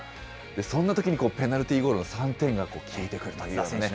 そんなときにペナルティーゴールの３点が効いてくるというね。